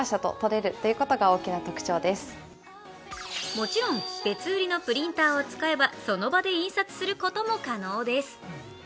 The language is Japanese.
もちろん別売りのプリンターを使えばその場で印刷することも可能です。